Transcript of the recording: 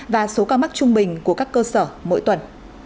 và số ca mắc trung bình của các cơ sở mỗi tuần